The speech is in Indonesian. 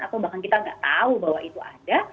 atau bahkan kita nggak tahu bahwa itu ada